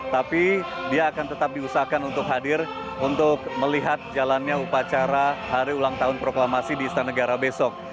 tapi dia akan tetap diusahakan untuk hadir untuk melihat jalannya upacara hari ulang tahun proklamasi di istana negara besok